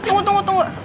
tunggu tunggu tunggu